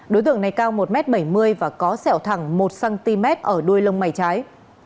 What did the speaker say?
đối tượng này cao một m bảy mươi và có sẹo thẳng một cm ở đuôi lông mày trái